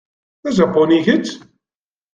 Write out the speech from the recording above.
D ajapuni kečč?